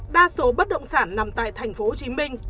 đa số bất động sản nằm tại tp hcm